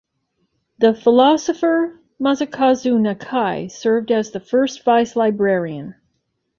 The philosopher Masakazu Nakai served as the first Vice Librarian.